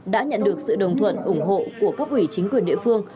đã nhận được sự đồng thuận ủng hộ của cấp ủy chính quyền địa phương